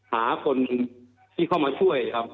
หาคนที่เข้ามาช่วยครับ